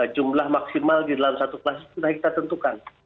jumlah maksimal di dalam satu kelas sudah kita tentukan